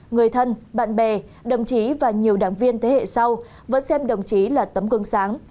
người thân bạn bè đồng chí và nhiều đảng viên thế hệ sau vẫn xem đồng chí là tấm gương sáng